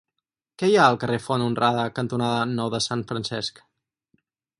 Què hi ha al carrer Font Honrada cantonada Nou de Sant Francesc?